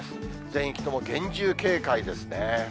全域とも厳重警戒ですね。